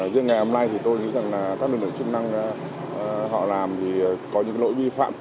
riêng ngày hôm nay thì tôi nghĩ rằng là các lực lượng chức năng họ làm thì có những lỗi vi phạm